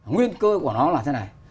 nguyên cơ của nó là thế này